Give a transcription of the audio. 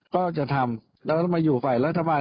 ก็ออกจะทำเราต้องมาอยู่ฝ่ายรัฐบาล